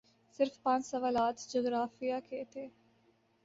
صرف پانچ سوالات جغرافیے کے تھے